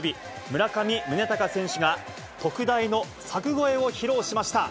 村上宗隆選手が、特大の柵越えを披露しました。